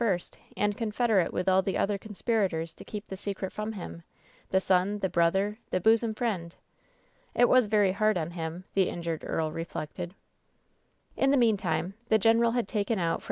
^t, and confederate with all the other eouepirators to ktep the ewicret fr<»n him — the son, the brother, the bosom friend ? It wto very hard on him, the injured earl refliBcted. In the meantime the ^general had taken out from a '"*'■■■■■'■^' A.